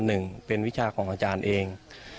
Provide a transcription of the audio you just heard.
หนึ่งเป็นวิชาของอาจารย์เอง